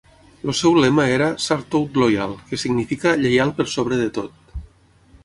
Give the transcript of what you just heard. El seu lema era "Surtout Loyal", que significa 'lleial per sobre de tot'.